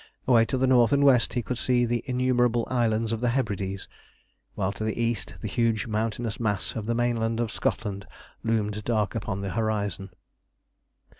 Away to the north and west he could see the innumerable islands of the Hebrides, while to the east the huge mountainous mass of the mainland of Scotland loomed dark upon the horizon.